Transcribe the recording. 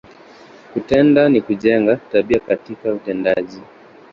Kutenda, ni kujenga, tabia katika utendaji.